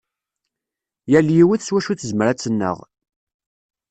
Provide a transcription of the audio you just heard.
Yal yiwet s wacu tezmer ad tennaɣ.